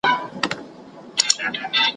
ژوند په خیال کي تېرومه راسره څو خاطرې دي `